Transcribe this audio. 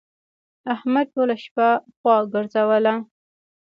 احمد ټوله شپه خوا وګرځوله.